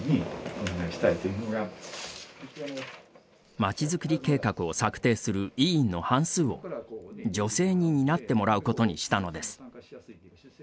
まちづくり計画を策定する委員の半数を女性に担ってもらうことにしたのです。